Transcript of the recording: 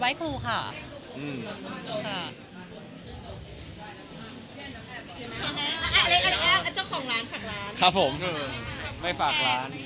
หุ้มหวัง